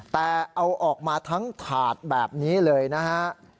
แต่เอาออกมาทั้งถาดแบบนี้เลยนะฮะ